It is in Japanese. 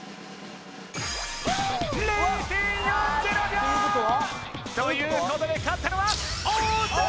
０．４０秒！ということで勝ったのは太田さん